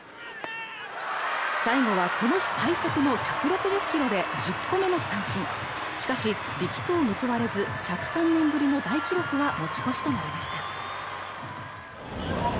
最後はこの日最速の１６０キロで１０個目の三振しかし力投報われず１０３年ぶりの大記録は持ち越しとなりました